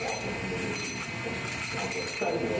もうぜひまずは２人でですから。